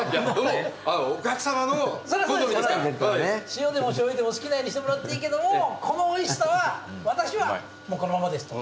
塩でもしょうゆでも好きなようにしてもらっていいけどもこのおいしさは私はもうこのままですと。